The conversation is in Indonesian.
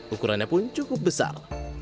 ukurannya pun cukup besar